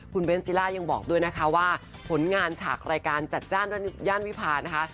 คุณเบ้นซิล่ายังบอกด้วยนะคะว่าผลงานฉากรายการจัดจ้านย่านวิพานะคะ